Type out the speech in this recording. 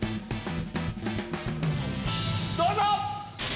どうぞ！